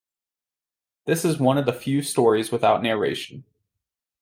This is one of the few stories without narration.